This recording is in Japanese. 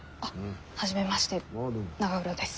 初めまして永浦です。